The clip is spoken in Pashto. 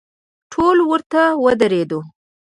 ټول ورته ودریدو.